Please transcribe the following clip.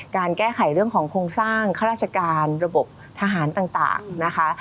การแก้ไขเรื่องของโครงสร้างข้าราชการระบบทหารต่างนะคะ